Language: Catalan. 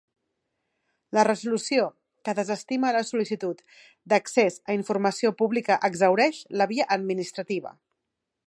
La resolució que desestima la sol·licitud d'accés a informació pública exhaureix la via administrativa.